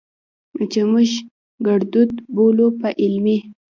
چې موږ ګړدود بولو، په علمي